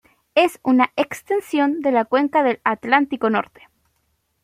Es una extensión de la cuenca del Atlántico Norte.